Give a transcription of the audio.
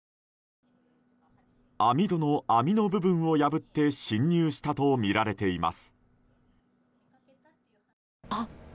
網戸の網の部分を破って侵入したとみられています。